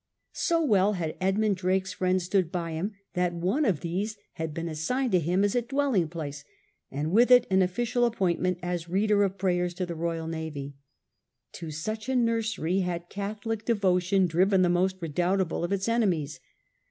So well had Edmund Drake's friends stood by him that one of these had been assigned to him as a dwelling place, and with it an official appointment as Reader of prayers to the Royal Navy. To such a nursery had Catholic devotion driven the most redoubtable of its enemies.